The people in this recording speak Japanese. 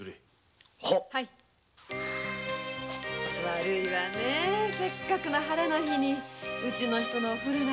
悪いわねぇせっかくの晴れの日にウチの人のお古で。